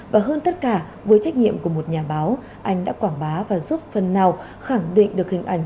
và hơn tất cả với trách nhiệm của một nhà báo anh đã quảng bá và giúp phần nào khẳng định được hình ảnh